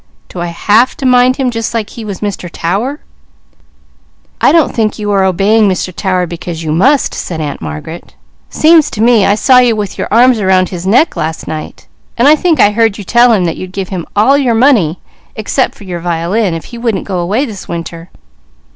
"Do I have to mind him just like he was Mr. Tower?" "I don't think you are obeying Mr. Tower because you must," said Aunt Margaret. "Seems to me I saw you with your arms around his neck last night, and I think I heard you tell him that you'd give him all your money, except for your violin, if he wouldn't go away this winter.